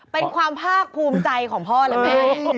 เป็นความภาคภูมิใจของพ่อและแม่